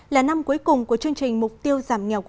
là năm cuối cùng của chương trình mục tiêu giảm nghèo